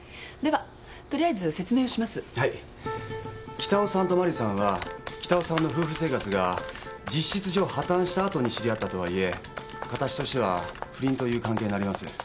北尾さんと真理さんは北尾さんの夫婦生活が実質上破綻したあとに知り合ったとはいえ形としては不倫という関係になります。